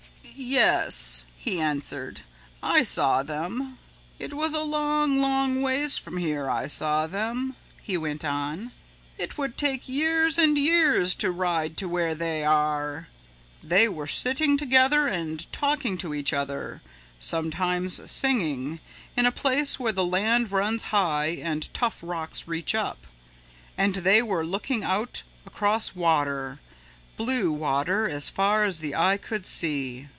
"Yes," he answered, "I saw them. "It was a long, long ways from here I saw them," he went on, "it would take years and years to ride to where they are. They were sitting together and talking to each other, sometimes singing, in a place where the land runs high and tough rocks reach up. And they were looking out across water, blue water as far as the eye could see.